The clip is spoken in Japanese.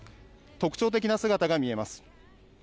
特徴的な姿が見えます。